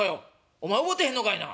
「お前覚えてへんのかいな。